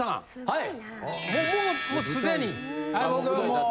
はい。